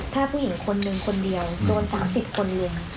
ถ้าผู้หญิงคนหนึ่งคนเดียวโดน๓๐คนรวม